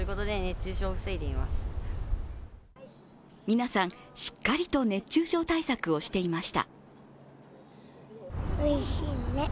皆さん、しっかりと熱中症対策をしていました。